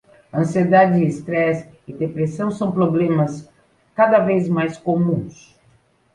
Ansiedade, estresse e depressão são problemas cada vez mais comuns